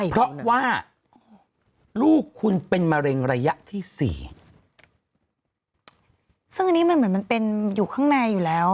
เพราะว่าลูกคุณเป็นมะเร็งระยะที่สี่ซึ่งอันนี้มันเหมือนมันเป็นอยู่ข้างในอยู่แล้ว